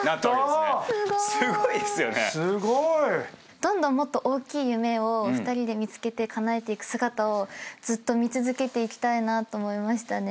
どんどんもっと大きい夢を２人で見つけてかなえていく姿をずっと見続けていきたいなと思いましたね。